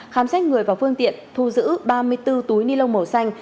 khám xét người và phương tiện thu giữ ba mươi bốn túi ni lông màu xanh